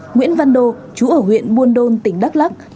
nguyễn văn đô chú ở huyện buôn đôn tỉnh đắk lắc